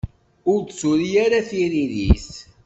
Ur d-turi ara tiririt.